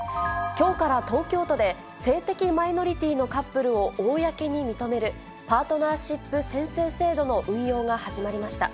きょうから東京都で性的マイノリティーのカップルを公に認める、パートナーシップ宣誓制度の運用が始まりました。